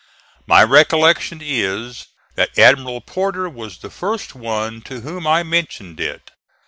My recollection is that Admiral Porter was the first one to whom I mentioned it.